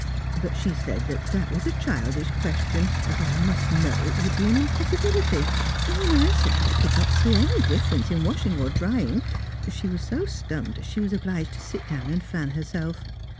But she said that that was a childish question, as I must know it would be an impossibility; and when I said I could not see any difference in washing or drying, she was so stumped she was obliged to sit down and fan herself.